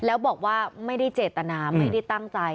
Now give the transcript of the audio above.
แล้วบอกว่าไม่ได้เจตนาไม่ได้ตั้งใจ